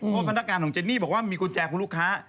เพราะธนการณ์ของเจนนี่บอกว่ามีกุญแจของลูกค้า